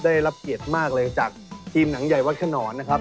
ได้รับเกียรติมากเลยจากทีมหนังใหญ่วัดขนอนนะครับ